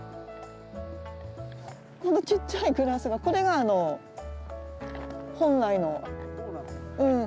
このちっちゃいグラスがこれがあの本来のうん。